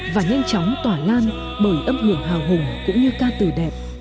và nhanh chóng tỏa lan bởi âm hưởng hào hùng cũng như ca từ đẹp